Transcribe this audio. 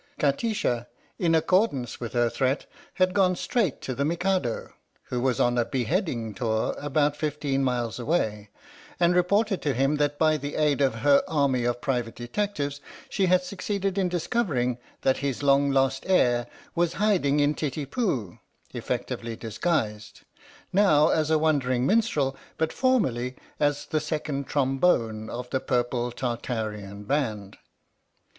ATI SHA, in accordance with her threat, had gone straight to the Mikado, who was on a beheading tour about fifteen miles away, and re ported to him that by the aid of her army of private detectives she had succeeded in discovering that his long lost heir was hiding in Titipu, effectively disguised, now as a wandering min strel, but formerly as the Second Trombone of the Purple Tartarian Band.